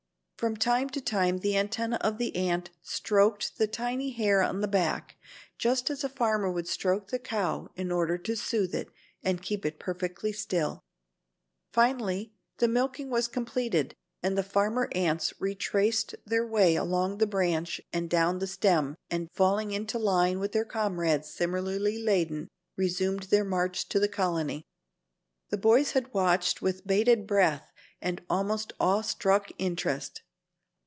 From time to time the antennae of the ant stroked the tiny hair on the back, just as a farmer would stroke the cow in order to soothe it and keep it perfectly still. Finally the milking was completed and the farmer ants retraced their way along the branch and down the stem and, falling into line with their comrades similarly laden, resumed their march to the colony. The boys had watched with bated breath and almost awe struck interest.